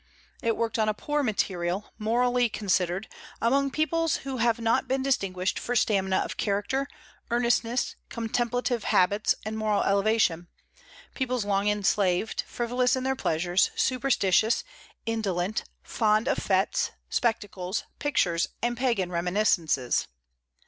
It worked on a poor material, morally considered; among peoples who have not been distinguished for stamina of character, earnestness, contemplative habits, and moral elevation, peoples long enslaved, frivolous in their pleasures, superstitious, indolent, fond of fêtes, spectacles, pictures, and Pagan reminiscences.